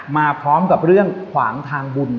มาพร้อมกับเรื่องขวางทางบุญ